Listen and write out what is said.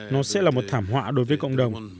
nó sẽ là một thảm họa đối với cộng đồng